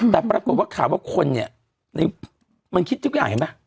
แต่ปรากฏว่าข่าวว่าคนเนี่ยมันคิดทุกอย่างเห็นไหม